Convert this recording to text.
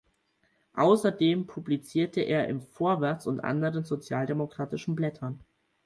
Außerdem publizierte er im "Vorwärts" und anderen sozialdemokratischen Blättern.